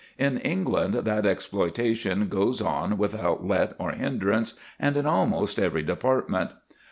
In England that exploitation goes on without let or hindrance and in almost every department.